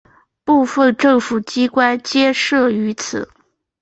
部分政府机关皆设于此。